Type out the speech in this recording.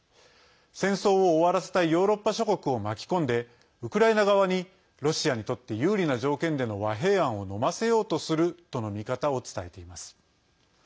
戦争を終わらせたいヨーロッパ諸国を巻き込んでウクライナ側にロシアにとって有利な条件での和平案を飲ませようとするとの見方を伝えています。